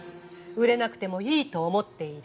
売れなくてもいいと思っている。